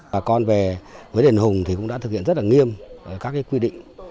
bà con về với đền hùng thì cũng đã thực hiện rất là nghiêm các quy định